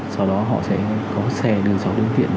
sau đó họ sẽ có xe đưa cháu đến viện